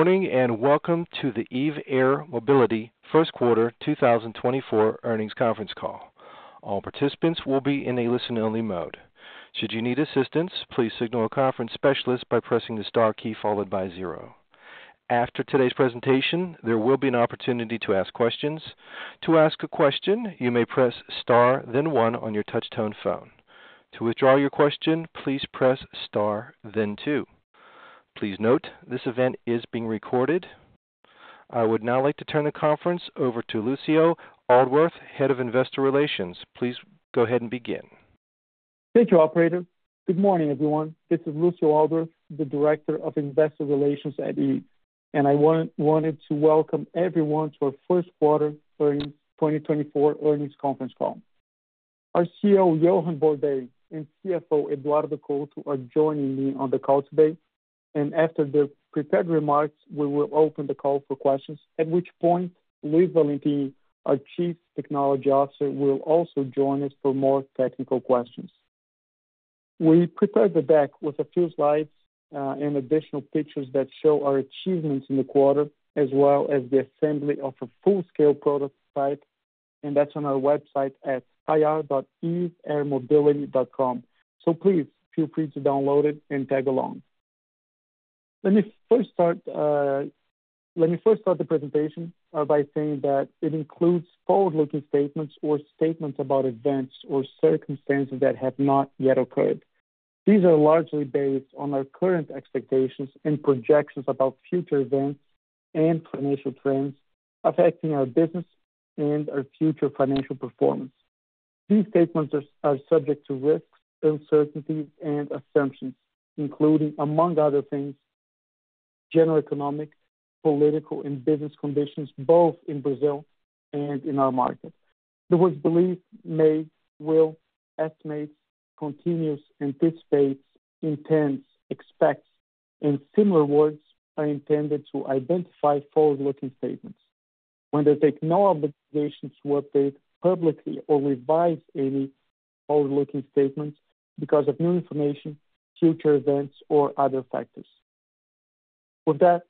Good morning, and welcome to the Eve Air Mobility First Quarter 2024 earnings conference call. All participants will be in a listen-only mode. Should you need assistance, please signal a conference specialist by pressing the star key followed by zero. After today's presentation, there will be an opportunity to ask questions. To ask a question, you may press star, then one on your touchtone phone. To withdraw your question, please press star, then two. Please note, this event is being recorded. I would now like to turn the conference over to Lucio Aldworth, Head of Investor Relations. Please go ahead and begin. Thank you, operator. Good morning, everyone. This is Lucio Aldworth, the Director of Investor Relations at Eve, and I wanted to welcome everyone to our first quarter earnings, 2024 earnings conference call. Our CEO, Johann Bordais, and CFO, Eduardo Couto, are joining me on the call today, and after the prepared remarks, we will open the call for questions, at which point, Luiz Valentini, our Chief Technology Officer, will also join us for more technical questions. We prepared the deck with a few slides, and additional pictures that show our achievements in the quarter, as well as the assembly of a full-scale prototype, and that's on our website at ir.eveairmobility.com. So please, feel free to download it and tag along. Let me first start. Let me first start the presentation by saying that it includes forward-looking statements or statements about events or circumstances that have not yet occurred. These are largely based on our current expectations and projections about future events and financial trends affecting our business and our future financial performance. These statements are subject to risks, uncertainties, and assumptions, including among other things, general economic, political, and business conditions, both in Brazil and in our market. The words believe, may, will, estimate, continues, anticipate, intends, expects, and similar words are intended to identify forward-looking statements. When they take no obligations to update publicly or revise any forward-looking statements because of new information, future events, or other factors. With that,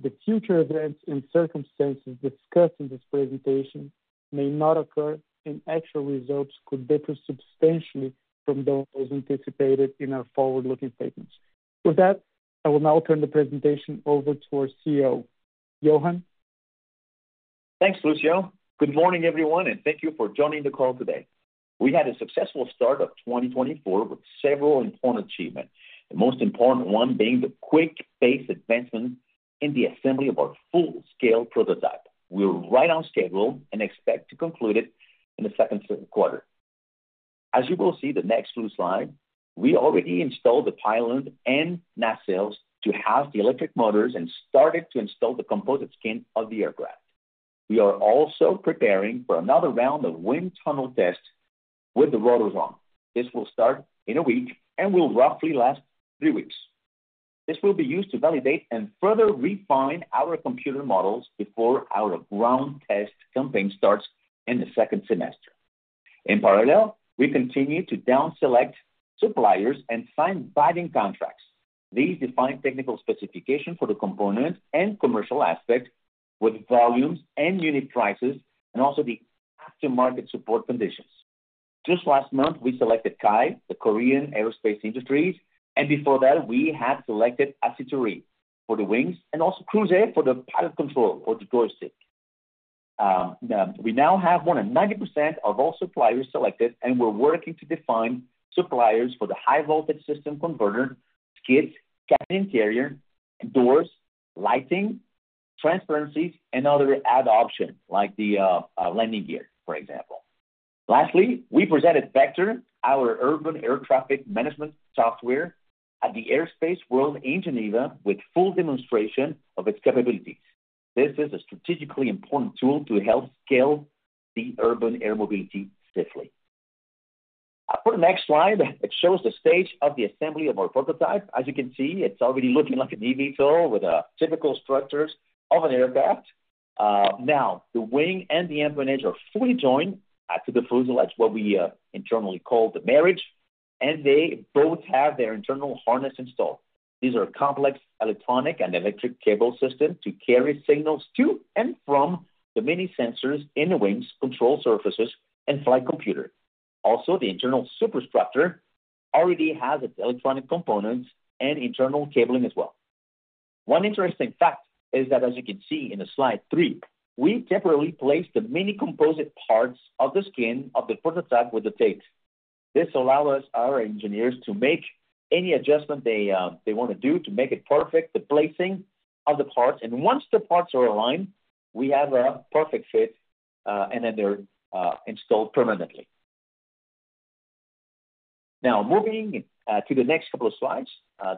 the future events and circumstances discussed in this presentation may not occur, and actual results could differ substantially from those anticipated in our forward-looking statements. With that, I will now turn the presentation over to our CEO, Johann. Thanks, Lucio. Good morning, everyone, and thank you for joining the call today. We had a successful start of 2024, with several important achievements. The most important one being the quick pace advancement in the assembly of our full-scale prototype. We're right on schedule and expect to conclude it in the second quarter. As you will see the next few slides, we already installed the pylon and nacelles to house the electric motors and started to install the composite skin of the aircraft. We are also preparing for another round of wind tunnel tests with the rotors on. This will start in a week and will roughly last three weeks. This will be used to validate and further refine our computer models before our ground test campaign starts in the second semester. In parallel, we continue to down select suppliers and sign binding contracts. These define technical specification for the component and commercial aspect with volumes and unit prices, and also the after-market support conditions. Just last month, we selected KAI, Korea Aerospace Industries, and before that, we had selected Aciturri for the wings and also Crouzet for the pilot control or the joystick. Now, we now have more than 90% of all suppliers selected, and we're working to define suppliers for the high voltage system converter, skids, cabin interior, doors, lighting, transparencies, and other add options like the landing gear, for example. Lastly, we presented Vector, our urban air traffic management software, at Airspace World in Geneva with full demonstration of its capabilities. This is a strategically important tool to help scale the urban air mobility safely. For the next slide, it shows the stage of the assembly of our prototype. As you can see, it's already looking like an eVTOL with a typical structure of an aircraft. Now, the wing and the empennage are fully joined to the fuselage, what we internally call the marriage, and they both have their internal harness installed. These are complex electronic and electric cable systems to carry signals to and from the many sensors in the wings, control surfaces, and flight computer. Also, the internal superstructure already has its electronic components and internal cabling as well. One interesting fact is that, as you can see in the slide three, we temporarily placed the many composite parts of the skin of the prototype with the tape. This allow us, our engineers, to make any adjustment they wanna do to make it perfect, the placing of the parts, and once the parts are aligned, we have a perfect fit, and then they're installed permanently. Now, moving to the next couple of slides,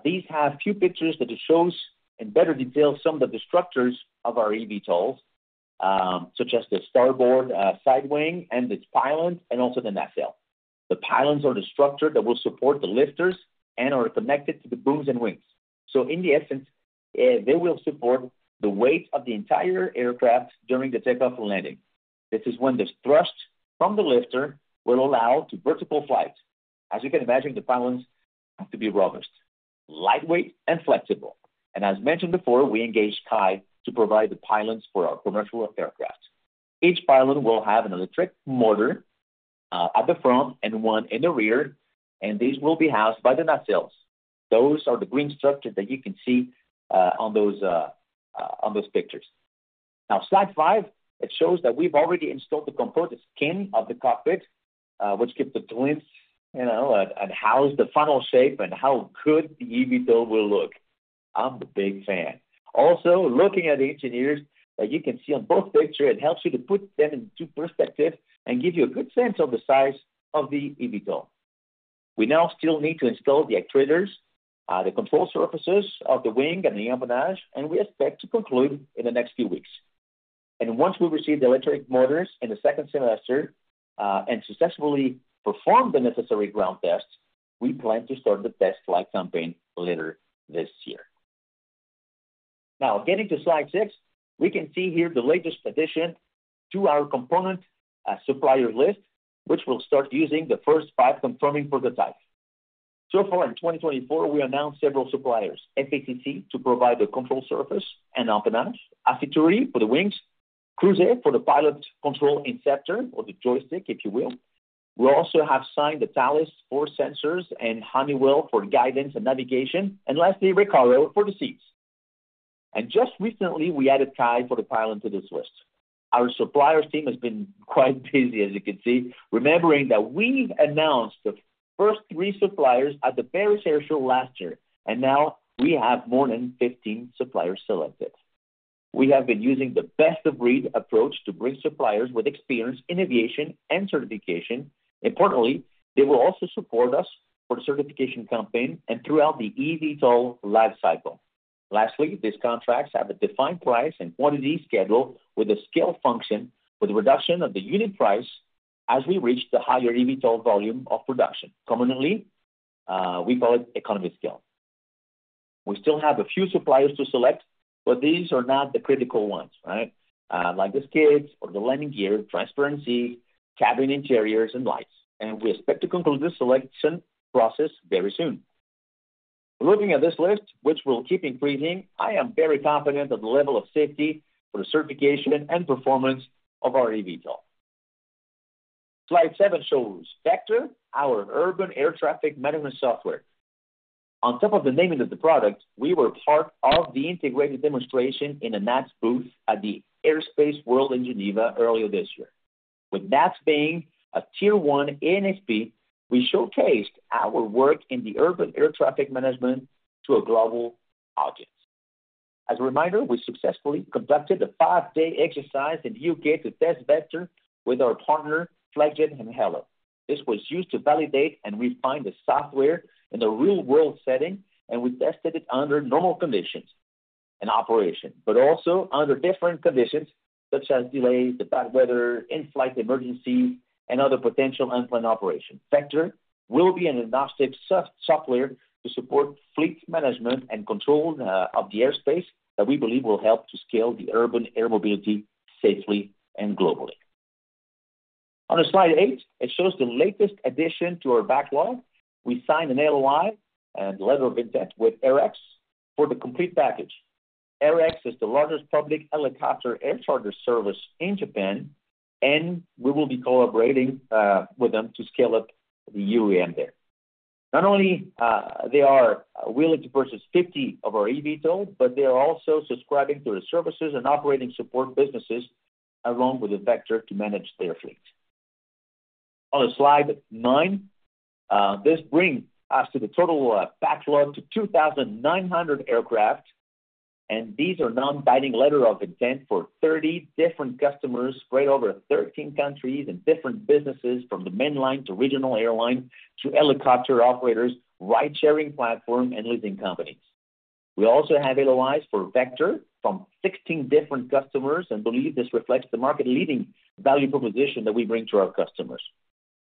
these have few pictures that it shows in better detail some of the structures of our eVTOL, such as the starboard side wing and its pylon, and also the nacelle. The pylons are the structure that will support the lifters and are connected to the booms and wings. So in the essence, they will support the weight of the entire aircraft during the takeoff and landing. This is when the thrust from the lifter will allow to vertical flight. As you can imagine, the pylons have to be robust, lightweight, and flexible. And as mentioned before, we engaged KAI to provide the pylons for our commercial aircraft. Each pylon will have an electric motor at the front and one in the rear, and these will be housed by the nacelles. Those are the green structures that you can see on those pictures. Now, slide five, it shows that we've already installed the composite skin of the cockpit, which gives a glimpse, you know, at how is the final shape and how good the eVTOL will look. I'm a big fan. Also, looking at the engineers that you can see on both pictures, it helps you to put them into perspective and give you a good sense of the size of the eVTOL. We now still need to install the actuators, the control surfaces of the wing and the empennage, and we expect to conclude in the next few weeks. And once we receive the electric motors in the second semester, and successfully perform the necessary ground tests, we plan to start the test flight campaign later this year. Now, getting to slide six, we can see here the latest addition to our component, supplier list, which will start using the first five conforming prototypes. So far in 2024, we announced several suppliers: FACC to provide the control surface and empennage, Aciturri for the wings, Crouzet for the pilot control inceptor or the joystick, if you will. We also have signed the Thales for sensors and Honeywell for guidance and navigation, and lastly, Recaro for the seats. And just recently, we added KAI for the pylon to this list. Our suppliers team has been quite busy, as you can see, remembering that we've announced the first three suppliers at the Paris Air Show last year, and now we have more than 15 suppliers selected. We have been using the best of breed approach to bring suppliers with experience in aviation and certification. Importantly, they will also support us for the certification campaign and throughout the eVTOL life cycle. Lastly, these contracts have a defined price and quantity schedule with a scale function, with reduction of the unit price as we reach the higher eVTOL volume of production. Commonly, we call it economy scale. We still have a few suppliers to select, but these are not the critical ones, right? Like the skids or the landing gear, transparency, cabin interiors, and lights, and we expect to conclude the selection process very soon. Looking at this list, which will keep increasing, I am very confident of the level of safety for the certification and performance of our eVTOL. Slide seven shows Vector, our urban air traffic management software. On top of the naming of the product, we were part of the integrated demonstration in the NATS booth at the Airspace World in Geneva earlier this year. With NATS being a tier one ANSP, we showcased our work in the urban air traffic management to a global audience. As a reminder, we successfully conducted a five-day exercise in the U.K. to test Vector with our partner, Flexjet and Halo Aviation. This was used to validate and refine the software in a real-world setting, and we tested it under normal conditions and operation, but also under different conditions, such as delays, the bad weather, in-flight emergency, and other potential unplanned operation. Vector will be an agnostic soft- software to support fleet management and control, of the airspace that we believe will help to scale the urban air mobility safely and globally. On to slide eight, it shows the latest addition to our backlog. We signed an LOI, a letter of intent, with AirX for the complete package. AirX is the largest public helicopter air charter service in Japan, and we will be collaborating, with them to scale up the UAM there. Not only, they are willing to purchase 50 of our eVTOL, but they are also subscribing to the services and operating support businesses, along with the Vector to manage their fleet. On slide nine, this brings us to the total backlog to 2,900 aircraft, and these are non-binding letter of intent for 30 different customers, spread over 13 countries and different businesses, from the mainline to regional airlines, to helicopter operators, ride-sharing platform, and leasing companies. We also have LOIs for Vector from 16 different customers, and believe this reflects the market-leading value proposition that we bring to our customers.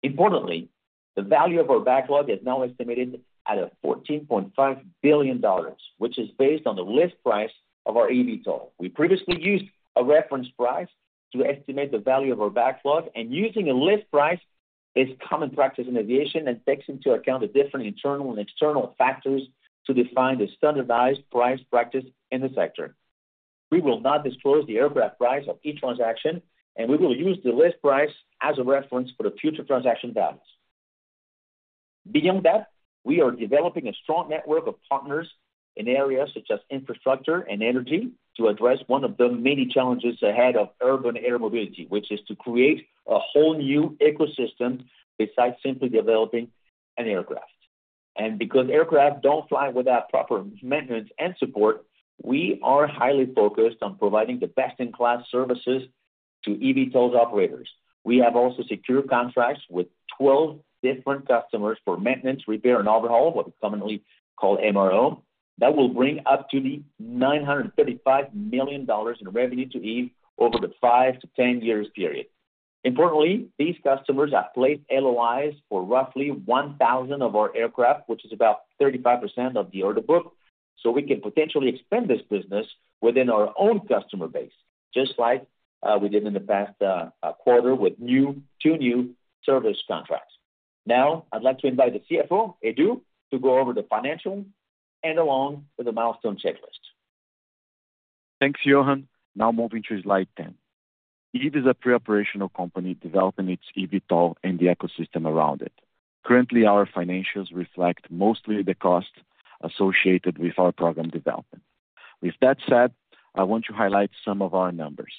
Importantly, the value of our backlog is now estimated at $14.5 billion, which is based on the list price of our eVTOL. We previously used a reference price to estimate the value of our backlog, and using a list price is common practice in aviation and takes into account the different internal and external factors to define the standardized price practice in the sector. We will not disclose the aircraft price of each transaction, and we will use the list price as a reference for the future transaction values. Beyond that, we are developing a strong network of partners in areas such as infrastructure and energy, to address one of the many challenges ahead of urban air mobility, which is to create a whole new ecosystem besides simply developing an aircraft. And because aircraft don't fly without proper maintenance and support, we are highly focused on providing the best-in-class services to eVTOL's operators. We have also secured contracts with 12 different customers for maintenance, repair, and overhaul, what is commonly called MRO. That will bring up to $935 million in revenue to Eve over the 5-10 years period. Importantly, these customers have placed LOIs for roughly 1,000 of our aircraft, which is about 35% of the order book.... So we can potentially expand this business within our own customer base, just like, we did in the past quarter with two new service contracts. Now, I'd like to invite the CFO, Edu, to go over the financial and along with the milestone checklist. Thanks, Johann. Now moving to slide 10. Eve is a pre-operational company developing its eVTOL and the ecosystem around it. Currently, our financials reflect mostly the cost associated with our program development. With that said, I want to highlight some of our numbers.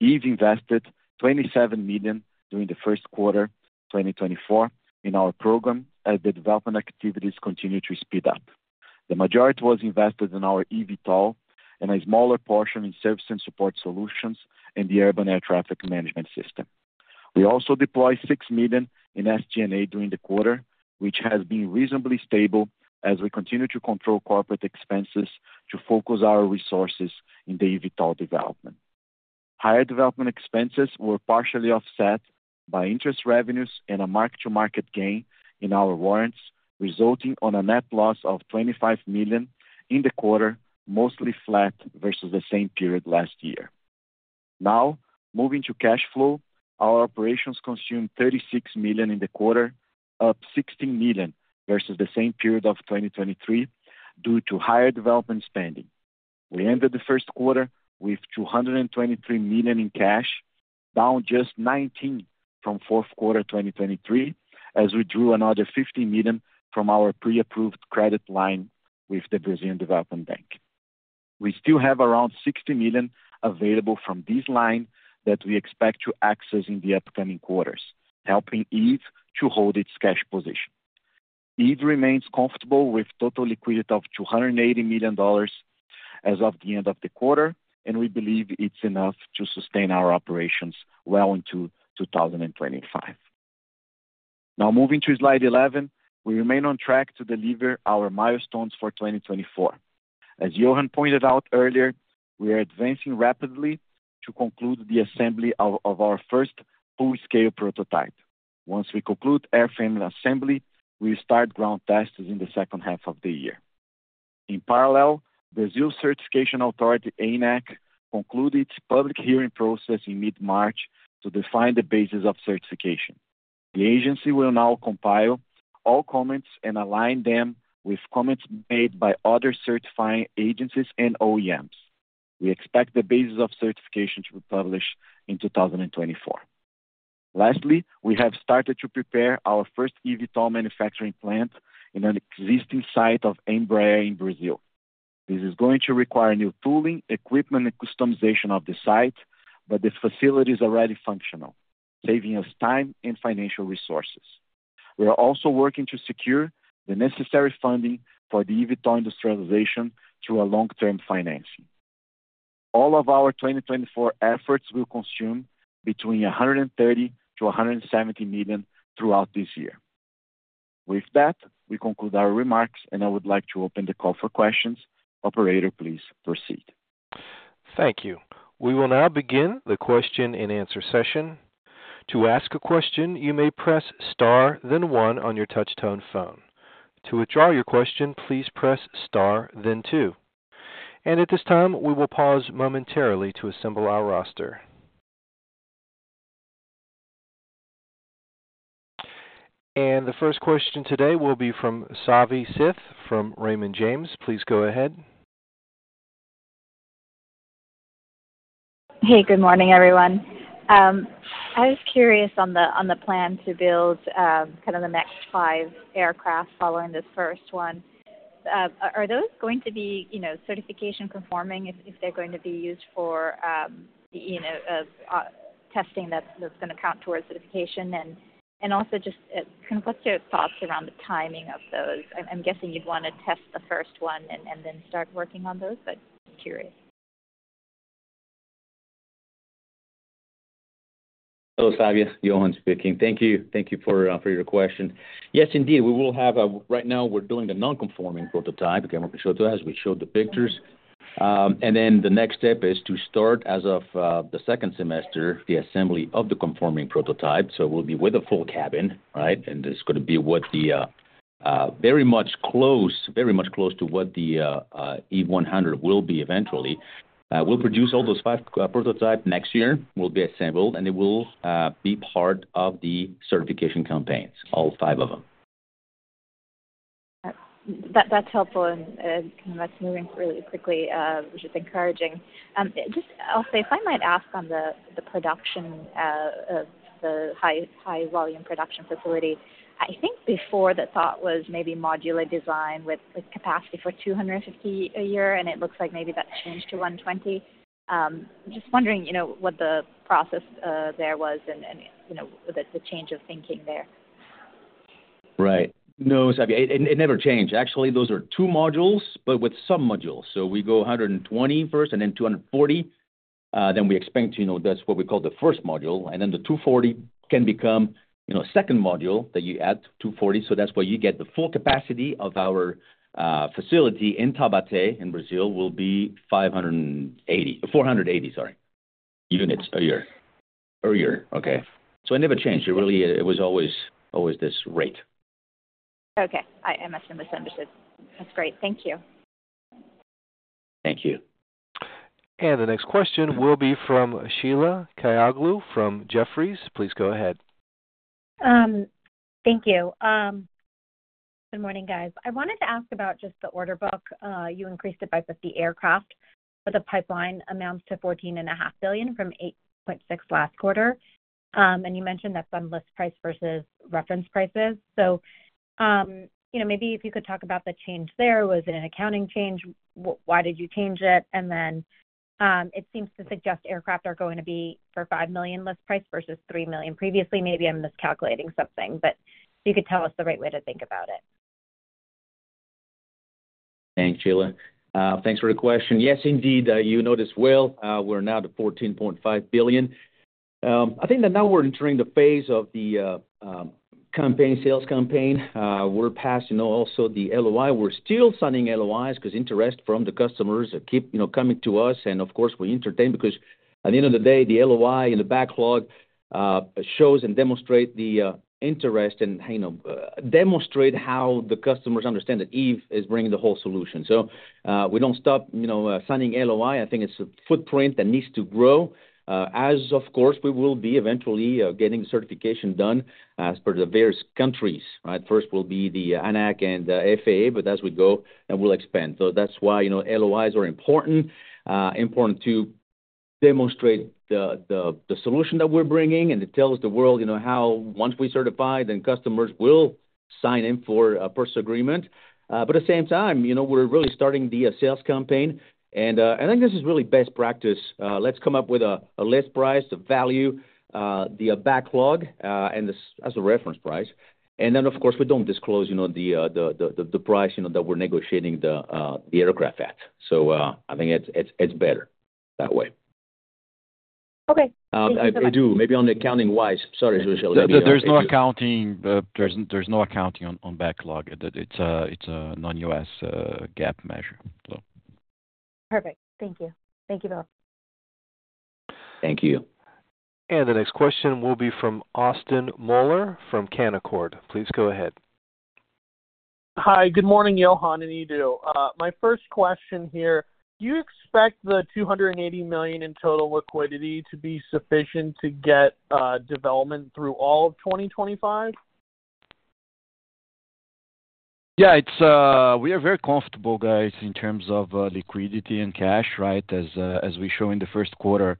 Eve invested $27 million during the first quarter 2024 in our program as the development activities continue to speed up. The majority was invested in our eVTOL and a smaller portion in service and support solutions and the urban air traffic management system. We also deployed $6 million in SG&A during the quarter, which has been reasonably stable as we continue to control corporate expenses to focus our resources in the eVTOL development. Higher development expenses were partially offset by interest revenues and a mark-to-market gain in our warrants, resulting on a net loss of $25 million in the quarter, mostly flat versus the same period last year. Now, moving to cash flow. Our operations consumed $36 million in the quarter, up $16 million versus the same period of 2023, due to higher development spending. We ended the first quarter with $223 million in cash, down just $19 million from fourth quarter 2023, as we drew another $50 million from our pre-approved credit line with the Brazilian Development Bank. We still have around $60 million available from this line that we expect to access in the upcoming quarters, helping Eve to hold its cash position. Eve remains comfortable with total liquidity of $280 million as of the end of the quarter, and we believe it's enough to sustain our operations well into 2025. Now, moving to slide 11. We remain on track to deliver our milestones for 2024. As Johann pointed out earlier, we are advancing rapidly to conclude the assembly of our first full-scale prototype. Once we conclude airframe assembly, we start ground tests in the second half of the year. In parallel, Brazil's certification authority, ANAC, concluded its public hearing process in mid-March to define the basis of certification. The agency will now compile all comments and align them with comments made by other certifying agencies and OEMs. We expect the basis of certification to be published in 2024. Lastly, we have started to prepare our first eVTOL manufacturing plant in an existing site of Embraer in Brazil. This is going to require new tooling, equipment and customization of the site, but this facility is already functional, saving us time and financial resources. We are also working to secure the necessary funding for the eVTOL industrialization through a long-term financing. All of our 2024 efforts will consume between $130 million-$170 million throughout this year. With that, we conclude our remarks, and I would like to open the call for questions. Operator, please proceed. Thank you. We will now begin the question-and-answer session. To ask a question, you may press star, then one on your touch tone phone. To withdraw your question, please press star then two. And at this time, we will pause momentarily to assemble our roster. And the first question today will be from Savi Syth from Raymond James. Please go ahead. Hey, good morning, everyone. I was curious on the plan to build kind of the next five aircraft following this first one. Are those going to be, you know, certification conforming if they're going to be used for, you know, testing that's going to count towards certification? And also just kind of what's your thoughts around the timing of those? I'm guessing you'd want to test the first one and then start working on those, but curious. Hello, Savi, Johann speaking. Thank you. Thank you for, for your question. Yes, indeed, we will have a... Right now we're doing the non-conforming prototype, again, we showed to as we showed the pictures. And then the next step is to start, as of, the second semester, the assembly of the conforming prototype. So we'll be with a full cabin, right? And it's gonna be what the, very much close, very much close to what the, Eve-100 will be eventually. We'll produce all those five co-prototype next year, will be assembled, and it will, be part of the certification campaigns, all five of them. That, that's helpful, and, that's moving really quickly, which is encouraging. Just also, if I might ask on the production of the high volume production facility. I think before the thought was maybe modular design with capacity for 250 a year, and it looks like maybe that's changed to 120. Just wondering, you know, what the process there was and, you know, the change of thinking there. Right. No, Savi, it never changed. Actually, those are two modules, but with some modules. So we go 120 first and then 240. Then we expect to, you know, that's what we call the first module. And then the 240 can become, you know, second module that you add to 240. So that's where you get the full capacity of our facility in Taubaté, in Brazil, will be 580—480, sorry. Units a year, per year, okay? So it never changed. It really, it was always, always this rate. Okay. I must have misunderstood. That's great. Thank you. Thank you. The next question will be from Sheila Kahyaoglu from Jefferies. Please go ahead. Thank you. Good morning, guys. I wanted to ask about just the order book. You increased it by 50 aircraft, but the pipeline amounts to $14.5 billion from $8.6 billion last quarter. And you mentioned that's on list price versus reference prices. So, you know, maybe if you could talk about the change there. Was it an accounting change? Why did you change it? And then, it seems to suggest aircraft are going to be for $5 million list price versus $3 million previously. Maybe I'm miscalculating something, but if you could tell us the right way to think about it. Thanks, Sheila. Thanks for the question. Yes, indeed, you noticed well, we're now at $14.5 billion. I think that now we're entering the phase of the campaign, sales campaign. We're past, you know, also the LOI. We're still signing LOIs 'cause interest from the customers keep, you know, coming to us, and of course, we entertain, because at the end of the day, the LOI and the backlog shows and demonstrate the interest and, you know, demonstrate how the customers understand that Eve is bringing the whole solution. So, we don't stop, you know, signing LOI. I think it's a footprint that needs to grow, as of course, we will be eventually getting certification done as per the various countries, right? First will be the ANAC and the FAA, but as we go, and we'll expand. So that's why, you know, LOIs are important. Important to demonstrate the solution that we're bringing, and it tells the world, you know, how once we certify, then customers will sign in for a purchase agreement. But at the same time, you know, we're really starting the sales campaign, and I think this is really best practice. Let's come up with a list price, the value, the backlog, and as a reference price. And then, of course, we don't disclose, you know, the price, you know, that we're negotiating the aircraft at. So, I think it's better that way. Okay. I do. Maybe on accounting-wise, sorry, Sheila- There's no accounting on backlog. It's a non-U.S. GAAP measure, so. Perfect. Thank you. Thank you both. Thank you. The next question will be from Austin Moeller from Canaccord. Please go ahead. Hi. Good morning, Johann and Edu. My first question here: do you expect the $280 million in total liquidity to be sufficient to get development through all of 2025? Yeah, it's, we are very comfortable, guys, in terms of liquidity and cash, right? As we show in the first quarter,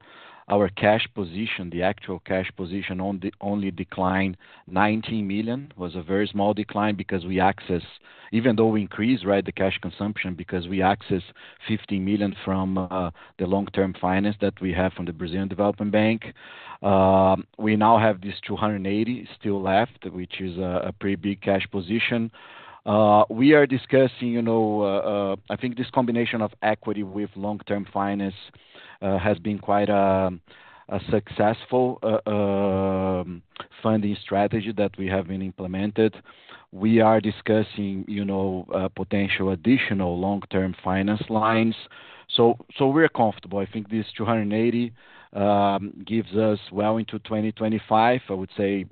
our cash position, the actual cash position only declined $19 million. It was a very small decline because we accessed $15 million from the long-term finance that we have from the Brazilian Development Bank. Even though we increased, right, the cash consumption because we access $15 million from the long-term finance that we have from the Brazilian Development Bank. We now have this $280 million still left, which is a pretty big cash position. We are discussing, you know, I think this combination of equity with long-term finance has been quite a successful funding strategy that we have been implemented. We are discussing, you know, potential additional long-term finance lines, so, so we're comfortable. I think this 280 gives us well into 2025, I would say,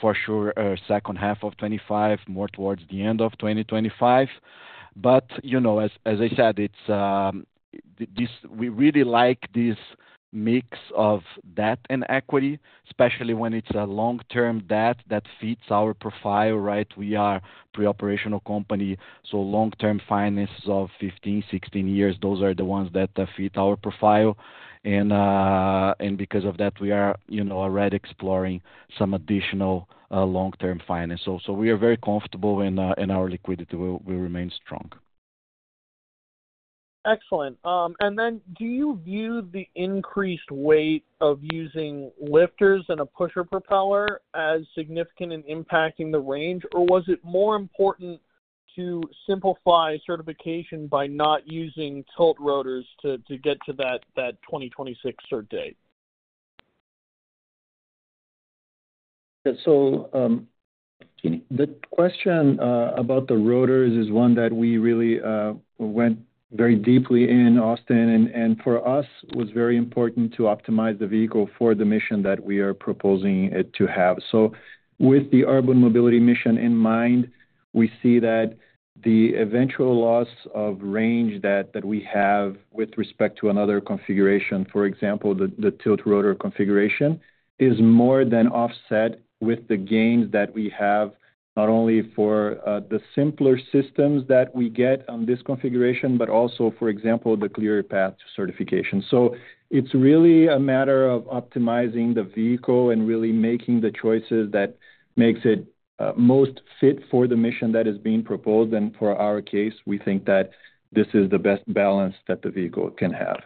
for sure, second half of 2025, more towards the end of 2025. But, you know, as, as I said, it's this we really like this mix of debt and equity, especially when it's a long-term debt that fits our profile, right? We are pre-operational company, so long-term finances of 15, 16 years, those are the ones that fit our profile. And because of that, we are, you know, already exploring some additional long-term finance also. So we are very comfortable, and our liquidity will remain strong. Excellent. And then do you view the increased weight of using lifters and a pusher propeller as significant in impacting the range? Or was it more important to simplify certification by not using tilt rotors to get to that 2026 cert date? So, the question about the rotors is one that we really went very deeply in, Austin, and for us, was very important to optimize the vehicle for the mission that we are proposing it to have. So with the urban mobility mission in mind, we see that the eventual loss of range that we have with respect to another configuration, for example, the tilt rotor configuration, is more than offset with the gains that we have, not only for the simpler systems that we get on this configuration, but also, for example, the clear path to certification. So it's really a matter of optimizing the vehicle and really making the choices that makes it most fit for the mission that is being proposed. And for our case, we think that this is the best balance that the vehicle can have.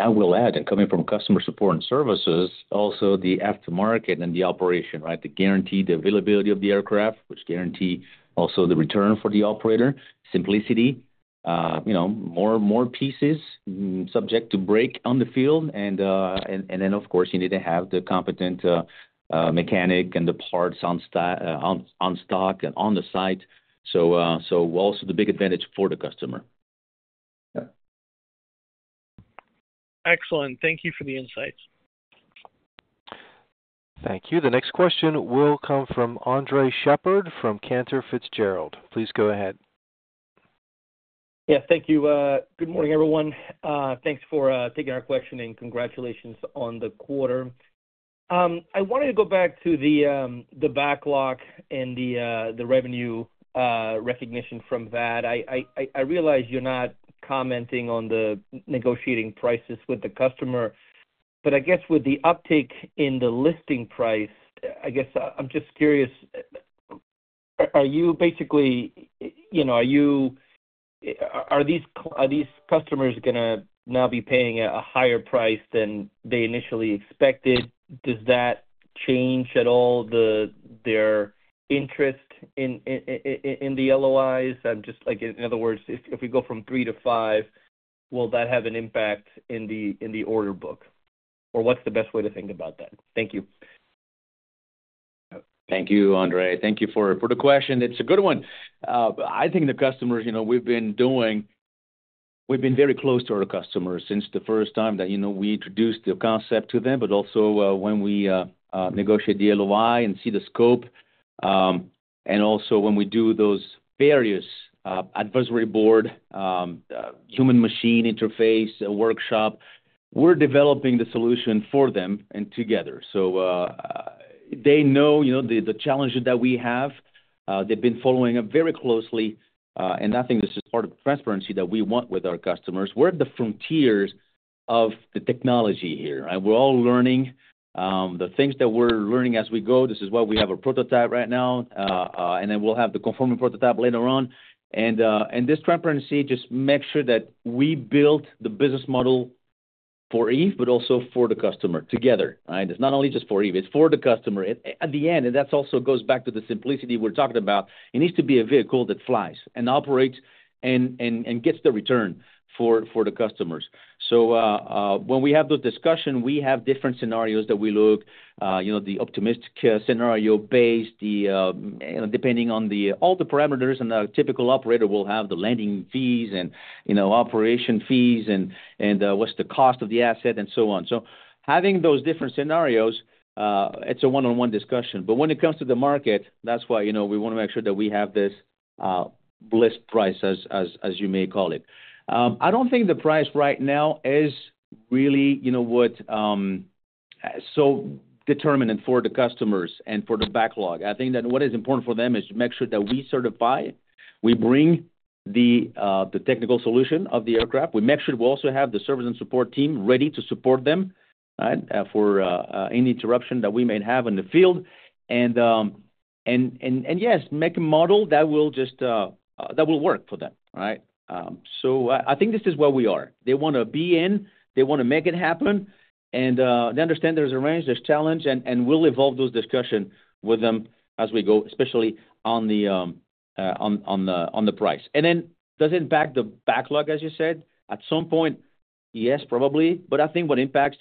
I will add, and coming from customer support and services, also the aftermarket and the operation, right? The guarantee, the availability of the aircraft, which guarantee also the return for the operator. Simplicity, you know, more pieces subject to break on the field and then, of course, you need to have the competent mechanic and the parts on stock and on the site. So also the big advantage for the customer.... Excellent. Thank you for the insights. Thank you. The next question will come from Andres Sheppard from Cantor Fitzgerald. Please go ahead. Yeah, thank you. Good morning, everyone. Thanks for taking our question, and congratulations on the quarter. I wanted to go back to the backlog and the revenue recognition from that. I realize you're not commenting on the negotiating prices with the customer, but I guess with the uptick in the list price, I guess I'm just curious, are you basically, you know, are these, are these customers gonna now be paying a higher price than they initially expected? Does that change at all their interest in the LOIs? I'm just like... In other words, if we go from 3-5, will that have an impact in the order book? Or what's the best way to think about that? Thank you. Thank you, Andre. Thank you for, for the question. It's a good one. I think the customers, you know, we've been very close to our customers since the first time that, you know, we introduced the concept to them, but also, when we negotiate the LOI and see the scope, and also when we do those various advisory board human machine interface workshop, we're developing the solution for them and together. So, they know, you know, the challenges that we have. They've been following up very closely, and I think this is part of the transparency that we want with our customers. We're at the frontiers of the technology here, and we're all learning the things that we're learning as we go. This is why we have a prototype right now, and then we'll have the conforming prototype later on. And this transparency just makes sure that we build the business model for Eve, but also for the customer together, right? It's not only just for Eve, it's for the customer. At the end, and that's also goes back to the simplicity we're talking about, it needs to be a vehicle that flies and operates and gets the return for the customers. When we have the discussion, we have different scenarios that we look you know the optimistic scenario based all the parameters, and the typical operator will have the landing fees and you know operation fees and what's the cost of the asset, and so on. So having those different scenarios, it's a one-on-one discussion. But when it comes to the market, that's why, you know, we wanna make sure that we have this list price, as you may call it. I don't think the price right now is really, you know what, so determinant for the customers and for the backlog. I think that what is important for them is to make sure that we certify, we bring the technical solution of the aircraft. We make sure we also have the service and support team ready to support them for any interruption that we may have in the field. And yes, make a model that will just that will work for them, all right? So I think this is where we are. They wanna be in, they wanna make it happen, and they understand there's a range, there's challenge, and we'll evolve those discussions with them as we go, especially on the price. And then, does it impact the backlog, as you said? At some point, yes, probably, but I think what impacts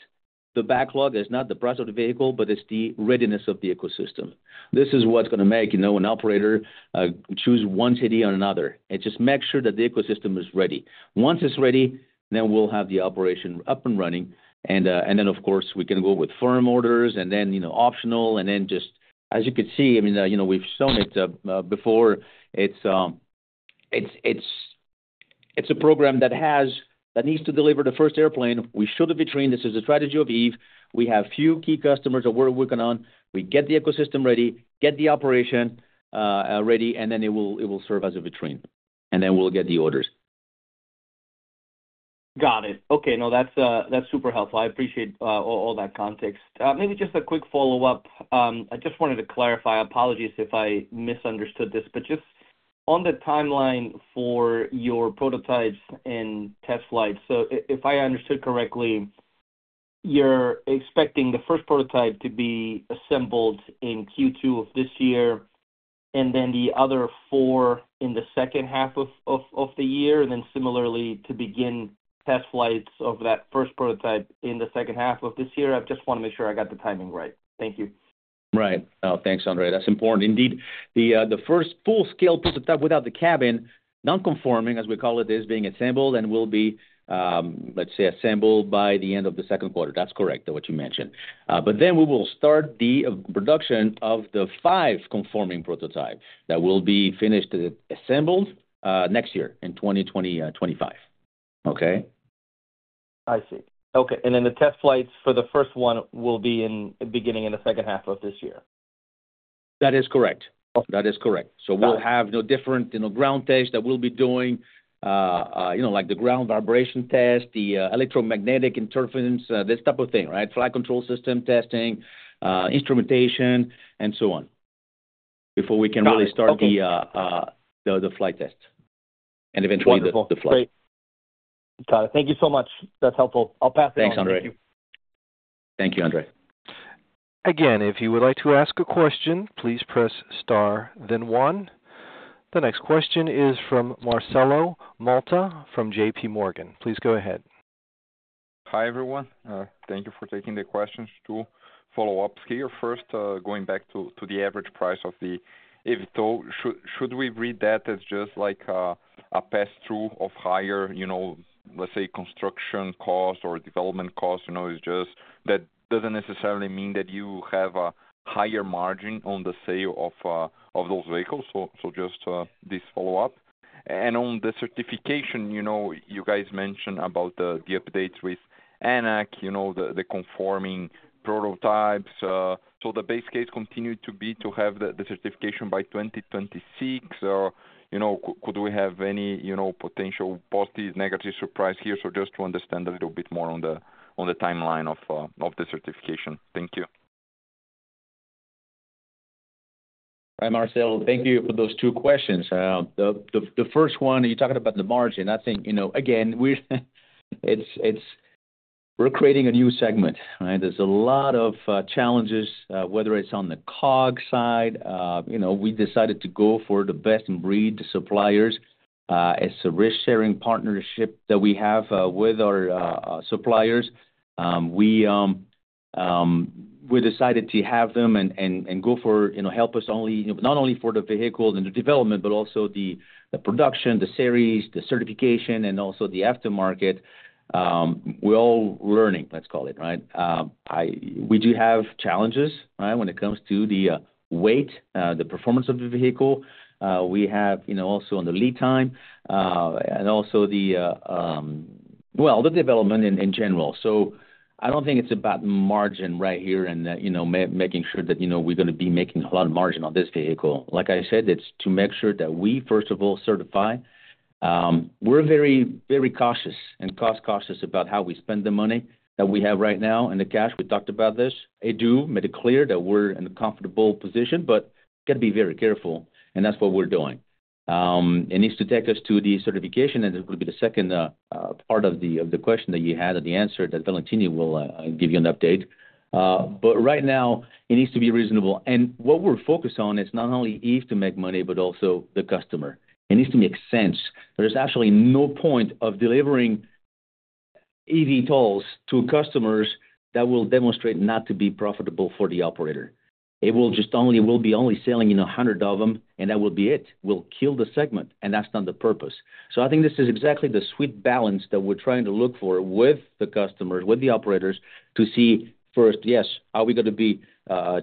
the backlog is not the price of the vehicle, but it's the readiness of the ecosystem. This is what's gonna make, you know, an operator choose one city or another, and just make sure that the ecosystem is ready. Once it's ready, then we'll have the operation up and running, and then, of course, we can go with firm orders and then, you know, optional, and then just as you could see, I mean, you know, we've shown it before. It's a program that has... that needs to deliver the first airplane. We show the vitrine. This is a strategy of Eve. We have few key customers that we're working on. We get the ecosystem ready, get the operation ready, and then it will serve as a vitrine, and then we'll get the orders. Got it. Okay, now, that's super helpful. I appreciate all that context. Maybe just a quick follow-up. I just wanted to clarify, apologies if I misunderstood this, but just on the timeline for your prototypes and test flights. So if I understood correctly, you're expecting the first prototype to be assembled in Q2 of this year, and then the other four in the second half of the year, and then similarly to begin test flights of that first prototype in the second half of this year? I just wanna make sure I got the timing right. Thank you. Right. Thanks, Andre. That's important. Indeed, the first full-scale prototype without the cabin, non-conforming, as we call it, is being assembled and will be, let's say, assembled by the end of the second quarter. That's correct, what you mentioned. But then we will start the production of the five conforming prototypes that will be finished, assembled, next year, in 2025. Okay? I see. Okay, and then the test flights for the first one will be beginning in the second half of this year? That is correct. Okay. That is correct. Got it. So we'll have no different, you know, ground test that we'll be doing, you know, like the ground vibration test, the, electromagnetic interference, this type of thing, right? Flight control system testing, instrumentation, and so on, before we- Got it. Okay... can really start the flight test and eventually- Wonderful... the flight. Great. Got it. Thank you so much. That's helpful. I'll pass it on. Thanks, Andre. Thank you. Thank you, Andre. Again, if you would like to ask a question, please press Star then one. The next question is from Marcelo Motta, from JPMorgan. Please go ahead.... Hi, everyone. Thank you for taking the questions, too. Follow-ups here. First, going back to, to the average price of the eVTOL. Should, should we read that as just like, a pass-through of higher, you know, let's say, construction costs or development costs? You know, it's just that doesn't necessarily mean that you have a higher margin on the sale of, of those vehicles. So, so just, this follow-up. And on the certification, you know, you guys mentioned about the, the updates with ANAC, you know, the, the conforming prototypes. So the base case continued to be to have the, the certification by 2026, or, you know, c-could we have any, you know, potential positive, negative surprise here? So just to understand a little bit more on the, on the timeline of, of the certification. Thank you. Hi, Marcelo. Thank you for those two questions. The first one, you're talking about the margin. I think, you know, again, we're creating a new segment, right? There's a lot of challenges, whether it's on the COGS side. You know, we decided to go for the best-in-breed suppliers. It's a risk-sharing partnership that we have with our suppliers. We decided to have them and go for, you know, help us only. You know, not only for the vehicles and the development, but also the production, the series, the certification, and also the aftermarket. We're all learning, let's call it, right? We do have challenges, right? When it comes to the weight, the performance of the vehicle. We have, you know, also on the lead time and the development in general. So I don't think it's about margin right here and, you know, making sure that, you know, we're gonna be making a lot of margin on this vehicle. Like I said, it's to make sure that we, first of all, certify. We're very, very cautious and cost-cautious about how we spend the money that we have right now and the cash. We talked about this. I do made it clear that we're in a comfortable position, but gotta be very careful, and that's what we're doing. It needs to take us to the certification, and it will be the second part of the question that you had, and the answer that Valentini will give you an update. But right now it needs to be reasonable. What we're focused on is not only if to make money, but also the customer. It needs to make sense. There's actually no point of delivering eVTOLs to customers that will demonstrate not to be profitable for the operator. It will just only, will be only selling, you know, 100 of them, and that will be it, will kill the segment, and that's not the purpose. So I think this is exactly the sweet balance that we're trying to look for with the customers, with the operators, to see first, yes, are we gonna be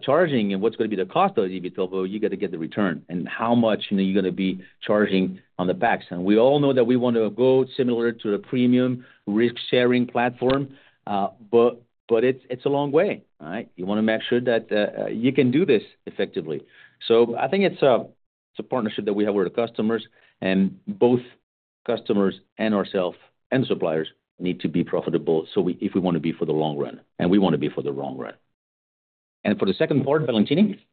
charging, and what's gonna be the cost of the eVTOL? You gotta get the return, and how much, you know, are you gonna be charging on the backs? We all know that we want to go similar to the premium risk-sharing platform, but it's a long way, all right? You wanna make sure that you can do this effectively. So I think it's a partnership that we have with our customers, and both customers and ourself and suppliers need to be profitable, so if we want to be for the long run, and we want to be for the long run. For the second part, Valentini?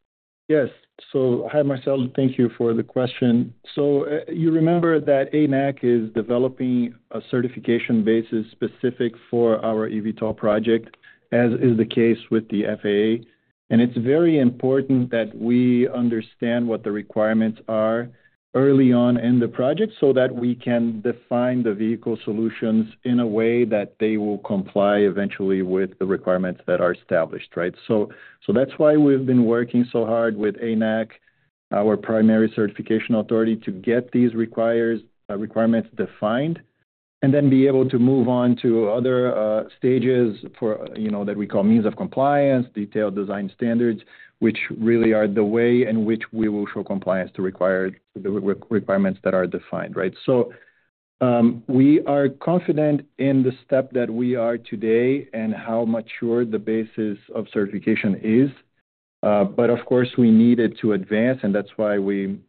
Yes. So hi, Marcelo, thank you for the question. So, you remember that ANAC is developing a certification basis specific for our eVTOL project, as is the case with the FAA. And it's very important that we understand what the requirements are early on in the project, so that we can define the vehicle solutions in a way that they will comply eventually with the requirements that are established, right? So, that's why we've been working so hard with ANAC, our primary certification authority, to get these requirements defined, and then be able to move on to other stages for, you know, that we call means of compliance, detailed design standards, which really are the way in which we will show compliance to the requirements that are defined, right? We are confident in the step that we are today and how mature the basis of certification is, but of course, we need it to advance, and that's why we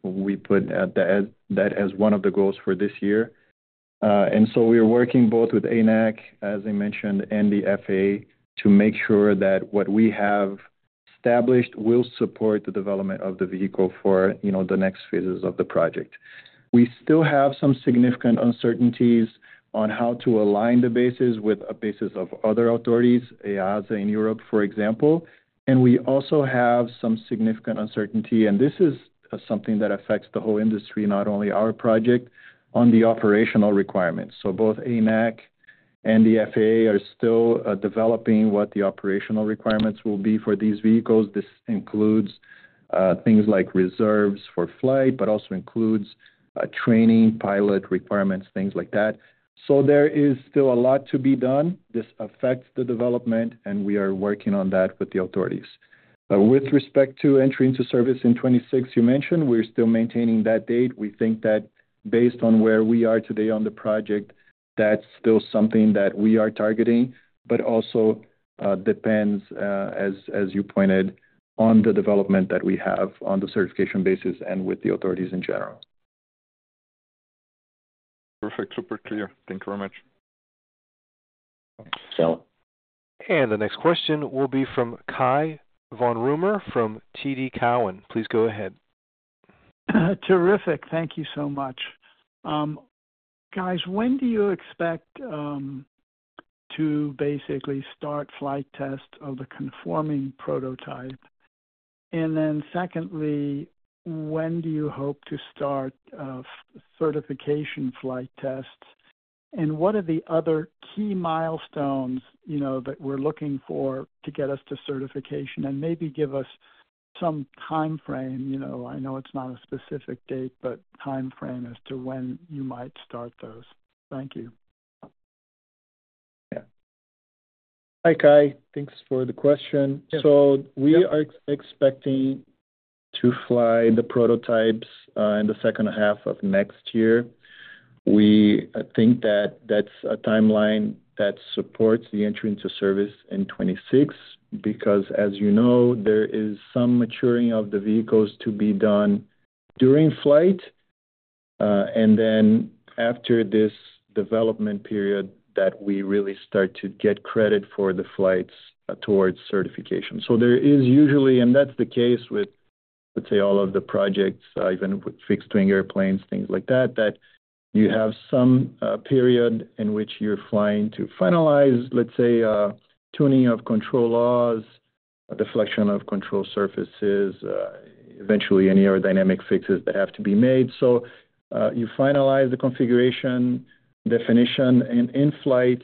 put that as one of the goals for this year. And so we are working both with ANAC, as I mentioned, and the FAA, to make sure that what we have established will support the development of the vehicle for, you know, the next phases of the project. We still have some significant uncertainties on how to align the bases with a bases of other authorities, EASA in Europe, for example. And we also have some significant uncertainty, and this is something that affects the whole industry, not only our project, on the operational requirements. So both ANAC and the FAA are still developing what the operational requirements will be for these vehicles. This includes things like reserves for flight, but also includes training, pilot requirements, things like that. So there is still a lot to be done. This affects the development, and we are working on that with the authorities. With respect to entry into service in 2026, you mentioned, we're still maintaining that date. We think that based on where we are today on the project, that's still something that we are targeting, but also depends, as you pointed, on the development that we have on the certification basis and with the authorities in general. Perfect. Super clear. Thank you very much. Thanks. Val The next question will be from Cai von Rumohr, from TD Cowen. Please go ahead. Terrific. Thank you so much. Guys, when do you expect to basically start flight tests of the conforming prototype? ...Then secondly, when do you hope to start certification flight tests? And what are the other key milestones, you know, that we're looking for to get us to certification? And maybe give us some time frame. You know, I know it's not a specific date, but time frame as to when you might start those. Thank you. Yeah. Hi, Cai. Thanks for the question. So we are expecting to fly the prototypes in the second half of next year. We think that that's a timeline that supports the entry into service in 2026, because, as you know, there is some maturing of the vehicles to be done during flight. And then after this development period, that we really start to get credit for the flights towards certification. So there is usually, and that's the case with, let's say, all of the projects, even with fixed-wing airplanes, things like that, that you have some period in which you're flying to finalize, let's say, tuning of control laws, deflection of control surfaces, eventually any aerodynamic fixes that have to be made. So you finalize the configuration, definition, and in flight,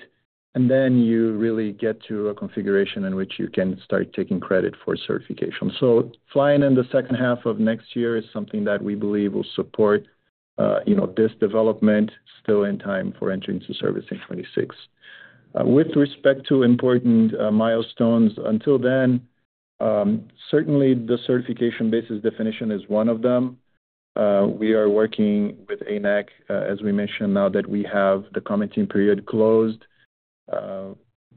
and then you really get to a configuration in which you can start taking credit for certification. So flying in the second half of next year is something that we believe will support, you know, this development still in time for entry into service in 2026. With respect to important milestones, until then, certainly the certification basis definition is one of them. We are working with ANAC, as we mentioned, now that we have the commenting period closed,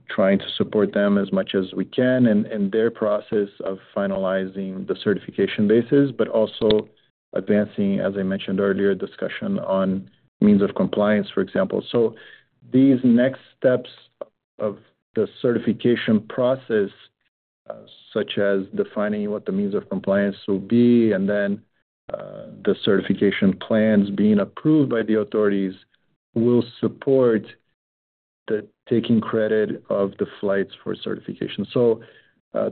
trying to support them as much as we can in their process of finalizing the certification basis, but also advancing, as I mentioned earlier, discussion on means of compliance, for example. So these next steps of the certification process, such as defining what the means of compliance will be, and then the certification plans being approved by the authorities, will support the taking credit of the flights for certification.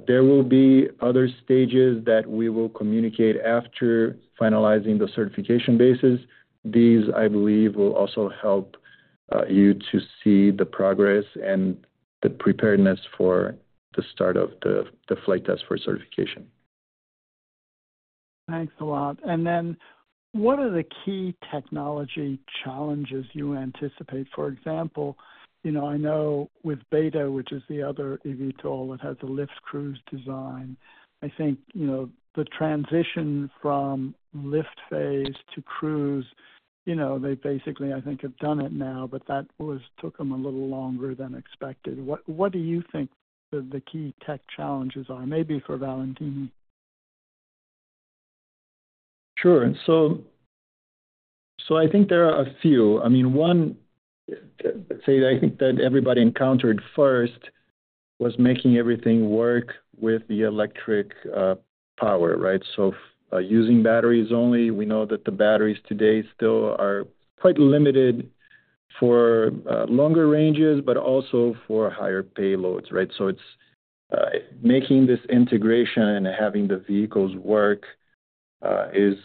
There will be other stages that we will communicate after finalizing the certification basis. These, I believe, will also help you to see the progress and the preparedness for the start of the flight test for certification. Thanks a lot. And then, what are the key technology challenges you anticipate? For example, you know, I know with Beta, which is the other eVTOL that has the lift cruise design, I think, you know, the transition from lift phase to cruise, you know, they basically, I think, have done it now, but that was, took them a little longer than expected. What, what do you think the, the key tech challenges are? Maybe for Valentini. Sure. So, so I think there are a few. I mean, one, say, I think that everybody encountered first was making everything work with the electric, power, right? So by using batteries only, we know that the batteries today still are quite limited for, longer ranges, but also for higher payloads, right? So it's, making this integration and having the vehicles work, is,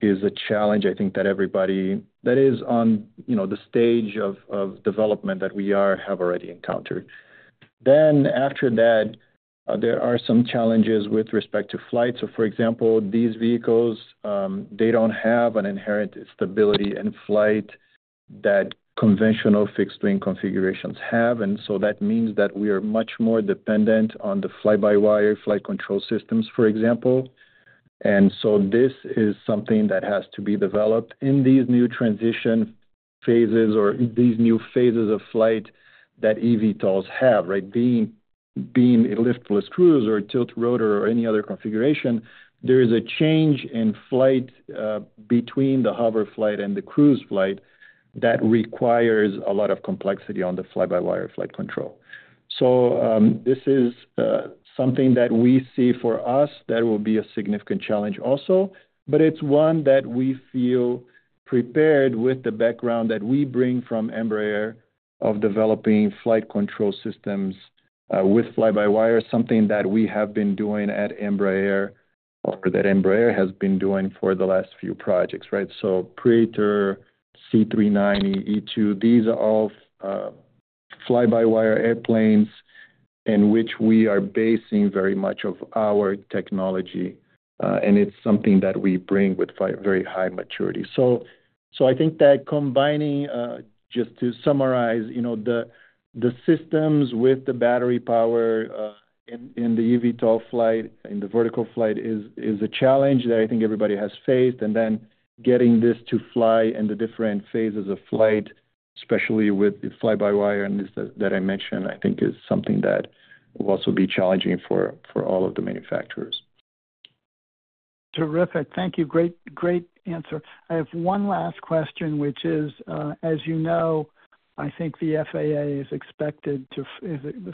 is a challenge I think that everybody that is on, you know, the stage of, development that we are, have already encountered. Then after that, there are some challenges with respect to flight. So for example, these vehicles, they don't have an inherent stability in flight that conventional fixed-wing configurations have, and so that means that we are much more dependent on the fly-by-wire flight control systems, for example. And so this is something that has to be developed in these new transition phases or these new phases of flight that eVTOLs have, right? Being a lift plus cruise or a tilt rotor or any other configuration, there is a change in flight between the hover flight and the cruise flight that requires a lot of complexity on the fly-by-wire flight control. So, this is something that we see for us that will be a significant challenge also, but it's one that we feel prepared with the background that we bring from Embraer of developing flight control systems with fly-by-wire, something that we have been doing at Embraer, or that Embraer has been doing for the last few projects, right? So Praetor, C-390, E2, these are all fly-by-wire airplanes in which we are basing very much of our technology, and it's something that we bring with very high maturity. So, I think that combining, just to summarize, you know, the systems with the battery power in the eVTOL flight, in the vertical flight, is a challenge that I think everybody has faced. And then getting this to fly in the different phases of flight, especially with the fly-by-wire and this that I mentioned, I think is something that will also be challenging for all of the manufacturers. Terrific. Thank you. Great, great answer. I have one last question, which is, as you know, I think the FAA is expected to...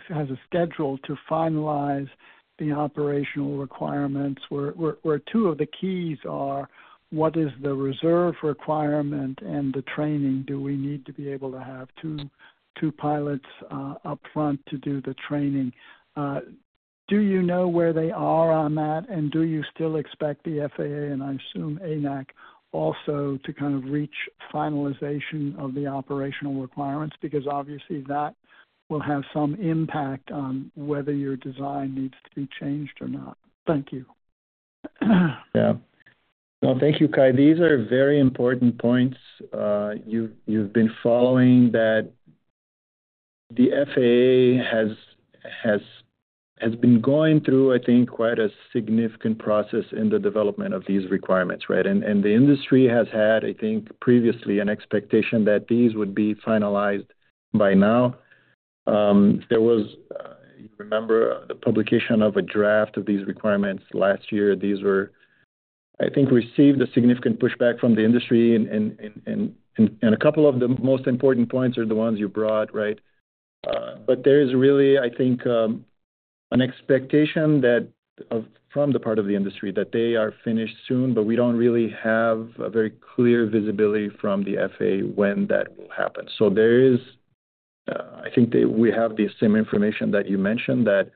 has a schedule to finalize the operational requirements, where two of the keys are, what is the reserve requirement and the training? Do we need to be able to have two, two pilots up front to do the training? Do you know where they are on that? And do you still expect the FAA, and I assume ANAC also, to kind of reach finalization of the operational requirements? Because obviously, that will have some impact on whether your design needs to be changed or not. Thank you. Yeah. Well, thank you, Cai. These are very important points. You've been following that the FAA has been going through, I think, quite a significant process in the development of these requirements, right? And the industry has had, I think, previously, an expectation that these would be finalized by now. There was, you remember the publication of a draft of these requirements last year. These were, I think received a significant pushback from the industry and a couple of the most important points are the ones you brought, right? But there is really, I think, an expectation that from the part of the industry, that they are finished soon, but we don't really have a very clear visibility from the FAA when that will happen. So there is, I think that we have the same information that you mentioned, that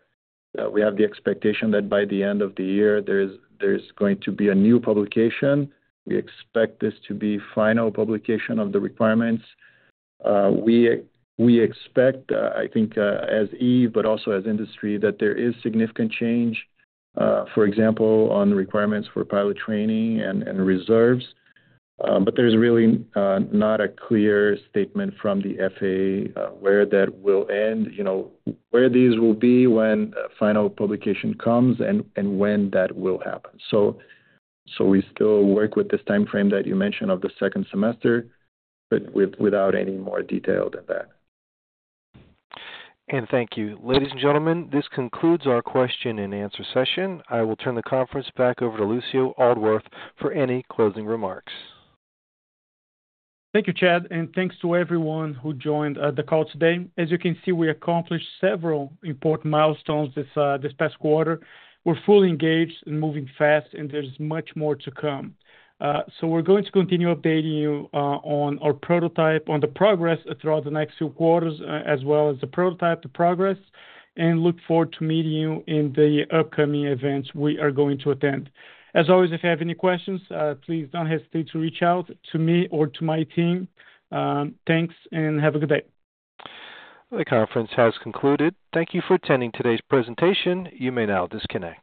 we have the expectation that by the end of the year, there is going to be a new publication. We expect this to be final publication of the requirements. We expect, I think, as Eve, but also as industry, that there is significant change, for example, on the requirements for pilot training and reserves. But there's really not a clear statement from the FAA, where that will end. You know, where these will be when a final publication comes and when that will happen. So we still work with this time frame that you mentioned of the second semester, but without any more detail than that. Thank you. Ladies and gentlemen, this concludes our question-and-answer session. I will turn the conference back over to Lucio Aldworth for any closing remarks. Thank you, Chad, and thanks to everyone who joined the call today. As you can see, we accomplished several important milestones this past quarter. We're fully engaged and moving fast, and there's much more to come. So we're going to continue updating you on our prototype, on the progress throughout the next few quarters, as well as the prototype, the progress, and look forward to meeting you in the upcoming events we are going to attend. As always, if you have any questions, please don't hesitate to reach out to me or to my team. Thanks and have a good day. The conference has concluded. Thank you for attending today's presentation. You may now disconnect.